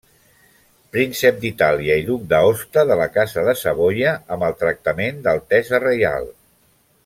Príncep d'Itàlia i duc d'Aosta de la casa de Savoia amb el tractament d'altesa reial.